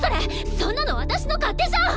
そんなの私の勝手じゃん！